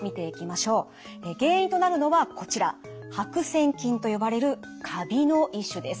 原因となるのはこちら白癬菌と呼ばれるかびの一種です。